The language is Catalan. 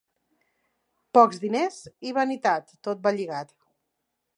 Pocs diners i vanitat, tot va lligat.